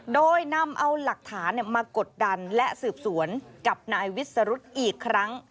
โดยนำเอาหลักฐานมากดดันและสืบสวนกับนายวิสรุธอีกครั้ง